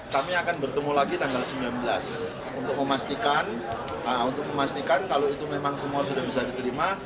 kami akan bertemu lagi tanggal sembilan belas untuk memastikan kalau itu memang semua sudah bisa diterima